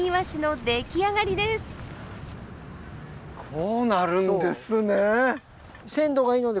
こうなるんですね！